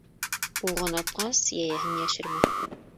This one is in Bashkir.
Уғын атҡас, йәйәһен йәшермә.